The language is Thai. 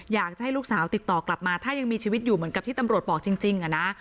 อยากจะให้ลูกสาวติดต่อกลับมาถ้ายังมีชีวิตอยู่เหมือนกับที่ตำรวจบอกจริงอะนะ